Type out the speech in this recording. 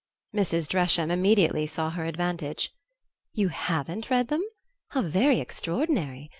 Mrs. Dresham immediately saw her advantage. "You HAVEN'T read them? How very extraordinary!